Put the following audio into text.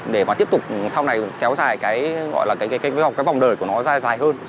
để mà tiếp tục sau này kéo dài cái gọi là cái vòng đời của nó dài hơn